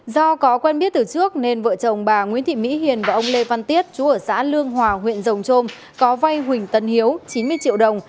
do có quen biết từ trước nên vợ chồng bà nguyễn thị mỹ hiền và ông lê văn tiết chú ở xã lương hòa huyện rồng trôm có vay huỳnh tấn hiếu chín mươi triệu đồng